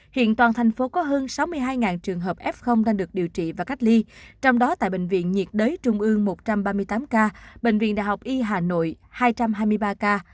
hiện toàn thành phố có hơn sáu mươi hai trường hợp f đang được điều trị và cách ly trong đó tại bệnh viện nhiệt đới trung ương một trăm ba mươi tám ca bệnh viện đại học y hà nội hai trăm hai mươi ba ca